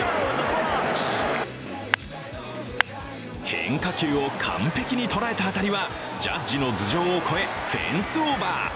変化球を完璧に捉えた当たりはジャッジの頭上を越えフェンスオーバー。